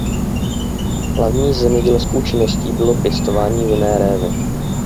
Hlavní zemědělskou činností bylo pěstování vinné révy.